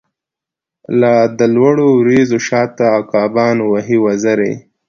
لادلوړو وریځو شاته، عقابان وهی وزری